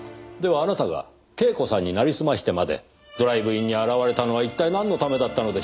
あなたが恵子さんに成りすましてまでドライブインに現れたのは一体なんのためだったのでしょう？